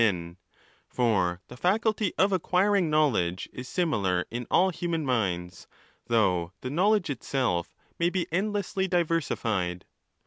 men; for the faculty of acquiring knowledge is similar in all human minds, though the know ledge itself may be endlessly diversified.